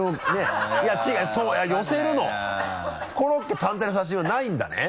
コロッケ単体の写真はないんだね？